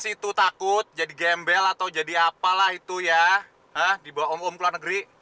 syukur mau jatuh kan